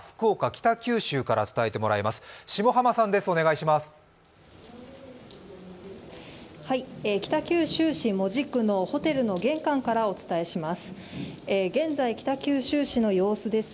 北九州市門司区のホテルの玄関からお伝えします。